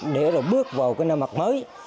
để rồi bước vào cái nơi mặt mới